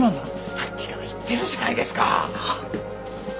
さっきから言ってるじゃないですか。